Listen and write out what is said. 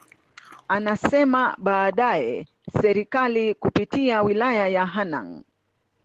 Anasema baadaye Serikali kupitia Wilaya ya Hanang